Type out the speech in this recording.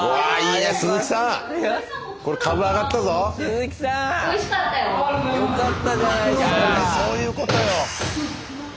いやそういうことよ。